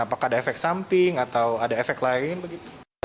apakah ada efek samping atau ada efek lain begitu